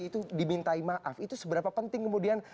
itu dimintai maaf itu seberapa penting kemudian